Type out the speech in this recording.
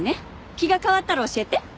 気が変わったら教えて。